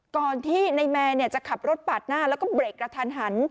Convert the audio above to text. ก่อนที่ในแมนจะขับรถปาดหน้าแล้วก็เบรกกระทันหัน